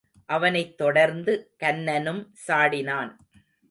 அவனைத் தொடர்ந்து கன்னனும் சாடினான்.